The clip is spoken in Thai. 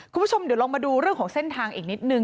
คุณผู้ชมเดี๋ยวลองมาดูเรื่องของเส้นทางอีกนิดนึง